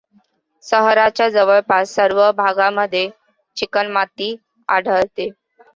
शहराच्या जवळपास सर्व भागांमध्ये चिकणमाती आढळते.